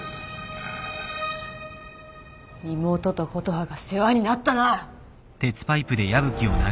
妹と琴葉が世話になったな。